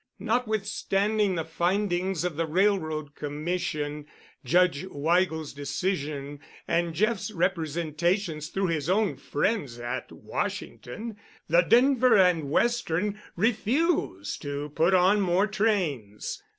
Notwithstanding the findings of the Railroad Commission, Judge Weigel's decision, and Jeff's representations through his own friends at Washington, the Denver and Western refused to put on more trains.